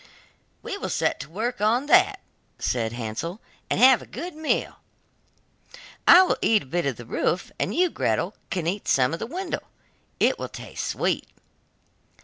'We will set to work on that,' said Hansel, 'and have a good meal. I will eat a bit of the roof, and you Gretel, can eat some of the window, it will taste sweet.